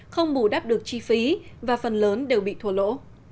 không bù đắp được chi phí và phần lớn đều bị thua lỗ